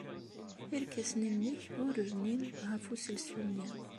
Irkasen-nnek ur rnin ɣef uselsu-nni.